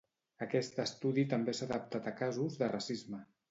Aquest estudi també s'ha adaptat a casos de racisme.